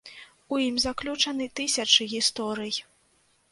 У ім заключаны тысячы гісторый.